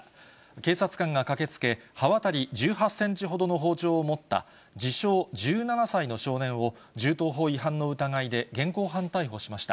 警察官が駆けつけ、刃渡り１８センチほどの包丁を持った自称１７歳の少年を、銃刀法違反の疑いで現行犯逮捕しました。